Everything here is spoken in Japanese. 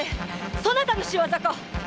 そなたの仕業か！